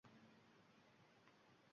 Haq deb bildi